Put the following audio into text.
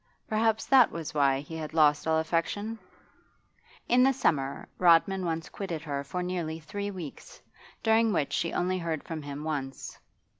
Perhaps that was why he had lost all affection? In the summer Rodman once quitted her for nearly three weeks, during which she only heard from him once.